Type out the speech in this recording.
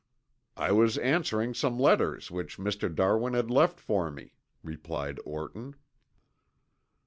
"I was answering some letters which Mr. Darwin had left for me," replied Orton.